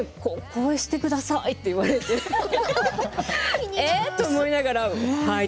こうしてくださいって言われてええ？と思いながらはい！